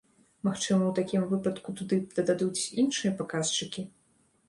Магчыма, у такім выпадку туды дададуць іншыя паказчыкі?